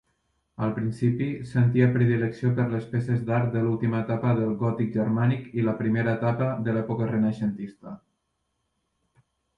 Al principi, sentia predilecció per les peces d'art de l'última etapa del gòtic germànic i la primera etapa de la l'època renaixentista.